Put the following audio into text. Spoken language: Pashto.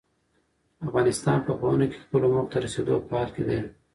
افغانستان په پوهنه کې خپلو موخو ته د رسېدو په حال کې دی.